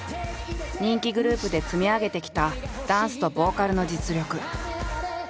人気グループで積み上げてきたダンスとボーカルの実力。